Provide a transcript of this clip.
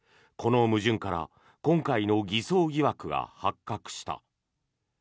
この矛盾から今回の偽装疑惑が発覚した。